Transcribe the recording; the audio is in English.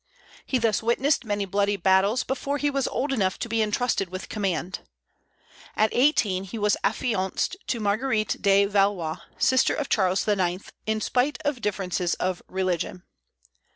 He thus witnessed many bloody battles before he was old enough to be intrusted with command. At eighteen he was affianced to Marguerite de Valois, sister of Charles IX., in spite of differences of religion.